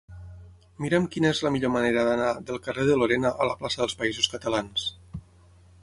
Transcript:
Mira'm quina és la millor manera d'anar del carrer de Lorena a la plaça dels Països Catalans.